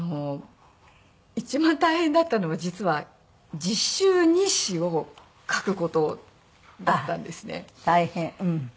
一番大変だったのは実は実習日誌を書く事だったんですね。大変。